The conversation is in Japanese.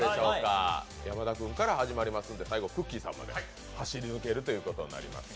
山田君から始まりますんで最後、くっきー！さんまで走り抜けるということになります。